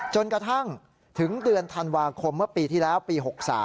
จนกระทั่งถึงเดือนธันวาคมเมื่อปีที่แล้วปี๖๓